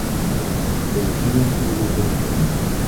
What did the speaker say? Pero somos un grupo musical.